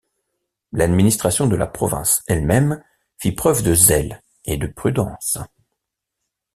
L’administration de la province elle-même fit preuve de zèle et de prudence.